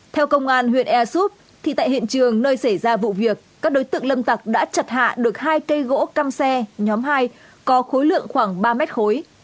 theo công an huyện ea súp thì tại hiện trường nơi xảy ra vụ việc các đối tượng lâm tặc đã chặt hạ được hai cây gỗ cam xe nhóm hai có khối lượng khoảng ba mét khối